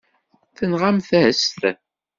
Tenɣamt-as-t.